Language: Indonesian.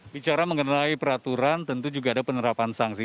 bicara mengenai peraturan tentu juga ada penerapan sanksi